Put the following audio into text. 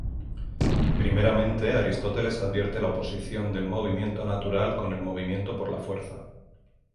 Primeramente, Aristóteles advierte la oposición del movimiento natural con el movimiento por la fuerza.